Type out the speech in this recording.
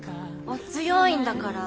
お強いんだから。